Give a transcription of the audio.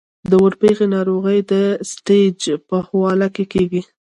د ورپېښې ناروغۍ د سټېج پۀ حواله کيږي -